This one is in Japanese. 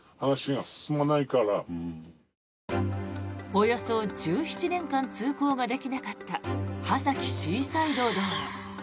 およそ１７年間通行ができなかった波崎シーサイド道路。